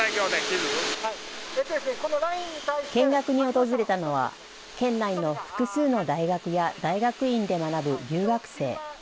訪れたのは、県内の複数の大学や大学院で学ぶ留学生。